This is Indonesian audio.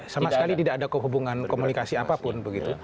sama sekali tidak ada hubungan komunikasi apapun